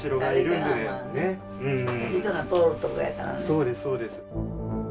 そうですそうです。